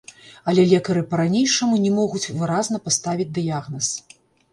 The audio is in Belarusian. Але лекары па-ранейшаму не могуць выразна паставіць дыягназ.